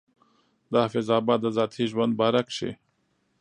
د حافظ بابا د ذاتي ژوند باره کښې